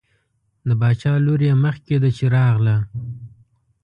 د باچا لور یې مخکې ده چې راغله.